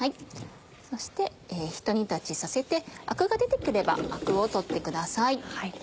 そしてひと煮立ちさせてアクが出て来ればアクを取ってください。